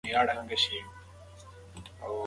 که چېرې تاسو ناروغه شئ، نو کار مه کوئ.